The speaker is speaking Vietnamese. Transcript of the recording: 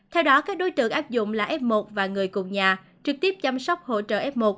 theo đó các đối tượng áp dụng là f một và người cùng nhà trực tiếp chăm sóc hỗ trợ f một